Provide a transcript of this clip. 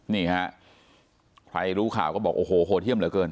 นี่ฮะใครรู้ข่าวก็บอกโอ้โหโหดเยี่ยมเหลือเกิน